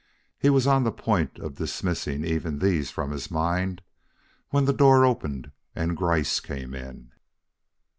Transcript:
He was on the point of dismissing even these from his mind, when the door opened and Gryce came in.